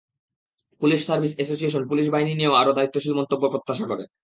Police service association police বাহিনী নিয়ে আরও দায়িত্বশীল মন্তব্য প্রত্যাশা করে।